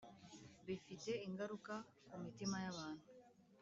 Bifite ingaruka ku mitima y’abantu